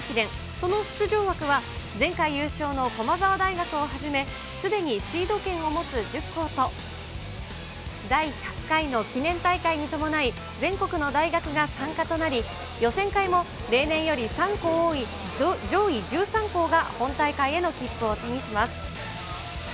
その出場枠は前回優勝の駒澤大学をはじめ、すでにシード権を持つ１０校と、第１００回の記念大会に伴い、全国の大学が参加となり、予選会も例年より３校多い、上位１３校が本大会への切符を手にします。